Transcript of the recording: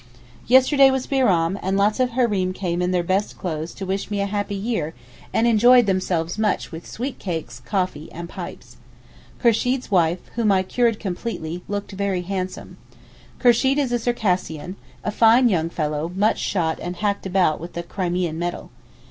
Yesterday was Bairam, and lots of Hareem came in their best clothes to wish me a happy year and enjoyed themselves much with sweet cakes, coffee, and pipes. Kursheed's wife (whom I cured completely) looked very handsome. Kursheed is a Circassian, a fine young fellow much shot and hacked about and with a Crimean medal.